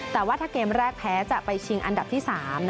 แต่ว่าถ้าเกมแรกแพ้จะไปชิงอันดับที่๓